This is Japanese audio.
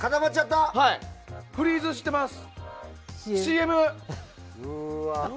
フリーズしてます。